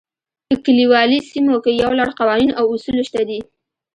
په کلیوالي سیمو کې یو لړ قوانین او اصول شته دي.